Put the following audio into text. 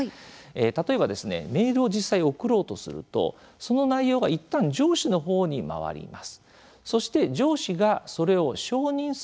例えば、メールを実際送ろうとするとその内容がいったん上司の方に回ります。